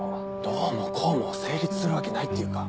どうもこうも成立するわけないっていうか。